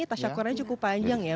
tasya kurangnya cukup panjang ya